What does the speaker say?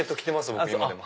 僕今でも。